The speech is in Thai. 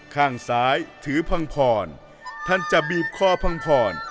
ข้างซ้ายถือพังพรท่านจะบีบคอพังพร